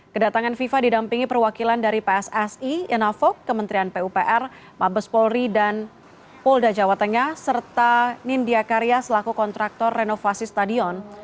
kedatangan fifa didampingi perwakilan dari pssi enafok kementerian pupr mabes polri dan polda jawa tengah serta nindya karya selaku kontraktor renovasi stadion